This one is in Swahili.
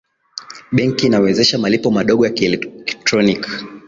benki inawezesha malipo madogo ya kielektroniki